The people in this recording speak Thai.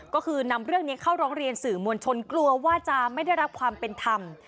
ก็คือนำเรื่องนี้เข้าร้องเรียนสื่อมวลชนกลัวว่าจะไม่ได้รับความเป็นธรรม